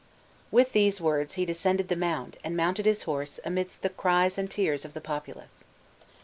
With these words he descended the mound, and mounted his horse, amidst the cries and tears of the populace.